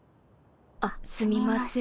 あっすみません。